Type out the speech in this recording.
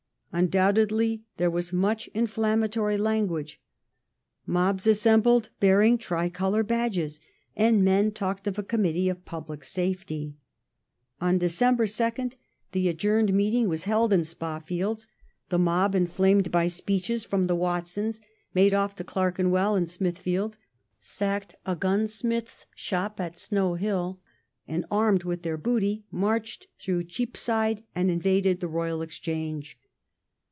Undoubtedly there was much inflammatory language : mobs assembled bearing tricolour badges, and men talked of a Committee of Public Safety. On December 2nd the adjourned 1822] THE GOVERNMENT'S POLICY Tt meeting was held in Spa Fields ; the mob, inflamed by speeches from the Watsons, made off to Clerkenwell and Smithfield, sacked a gunsmith's shop at Snow Hill, and armed with their booty marched through Cheapside and invaded the Royal Exchange.